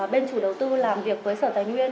bên chủ đầu tư làm việc với sở tài nguyên